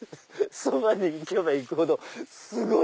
そばに行けば行くほどすごい！